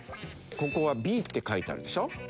ここが「Ｂ」って書いてあるでしょ。